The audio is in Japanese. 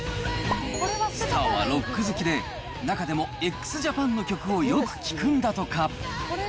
スターはロック好きで、中でもＸＪＡＰＡＮの曲をよく聴くんだとか。